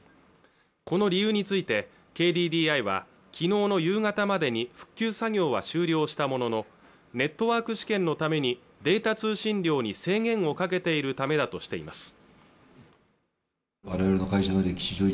この理由についてＫＤＤＩは昨日の夕方までに復旧作業は終了したもののネットワーク試験のためにデータ通信量に制限をかけているためだとしています